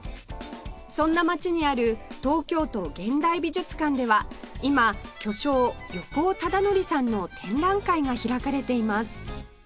そんな街にある東京都現代美術館では今巨匠横尾忠則さんの展覧会が開かれています